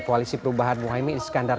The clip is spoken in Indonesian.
kami akan mencari